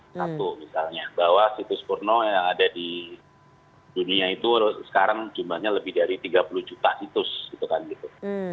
satu misalnya bahwa situs porno yang ada di dunia itu sekarang jumlahnya lebih dari tiga puluh juta situs gitu kan gitu